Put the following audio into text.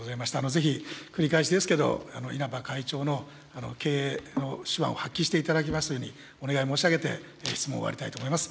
ぜひ、繰り返しですけど、稲葉会長の経営の手腕を発揮していただきますように、お願い申し上げて、質問を終わりたいと思います。